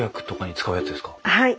はい。